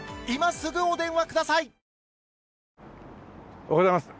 おはようございます。